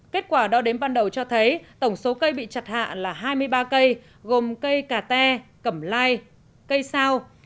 kết quả đo đếm ban đầu cho thấy tổng số cây bị chặt hạ là hai mươi ba cây gồm cây cà te cẩm lai cây sao